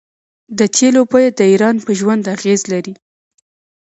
د تیلو بیه د ایران په ژوند اغیز لري.